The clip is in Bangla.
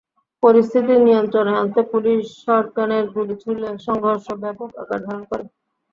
পরিস্থিতি নিয়ন্ত্রণে আনতে পুলিশ শর্টগানের গুলি ছুড়লে সংঘর্ষ ব্যাপক আকার ধারণ করে।